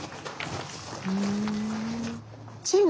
ふん。